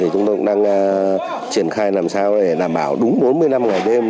chúng tôi cũng đang triển khai làm sao để đảm bảo đúng bốn mươi năm ngày đêm